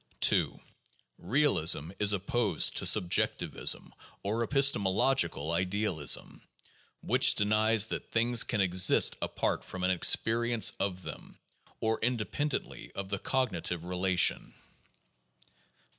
2. Realism is opposed to subjectivism or epistemological idealism which denies that things can exist apart from an experience of them, or independently of the cognitive relation.